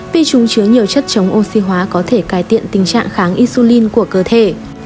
vì chúng chứa nhiều chất chống oxy hóa có thể cải tiện tình trạng kháng insulin của cơ thể